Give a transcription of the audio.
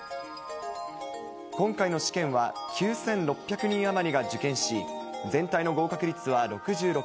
今回の試験は９６００人余りが受験し、全体の合格率は６６％。